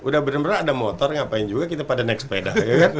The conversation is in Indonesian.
udah bener bener ada motor ngapain juga kita pada naik sepeda